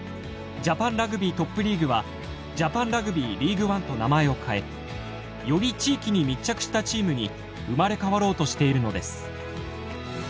ジャパンラグビートップリーグはジャパンラグビーリーグワンと名前を変えより地域に密着したチームに生まれ変わろうとしているのです。